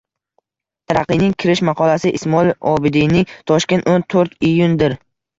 “Taraqqiy”ning kirish maqolasi Ismoil Obidiyning “Toshkent o'n to'rt iyun”dir.